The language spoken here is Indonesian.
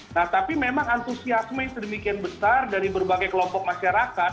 nah tapi memang antusiasme yang sedemikian besar dari berbagai kelompok masyarakat